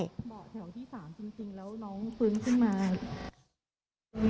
เบาะแถวที่๓จริงแล้วน้องฟื้นขึ้นมา